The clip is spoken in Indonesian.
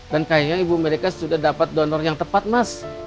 dan kayaknya ibu malika sudah dapat donor yang tepat mas